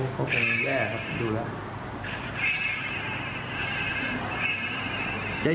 เขาเป็นแย่ครับดูแล้ว